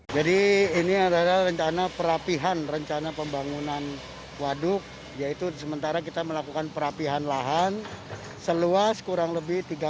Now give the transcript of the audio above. ini adalah rencana perapihan rencana pembangunan waduk yaitu sementara kita melakukan perapihan lahan seluas kurang lebih tiga meter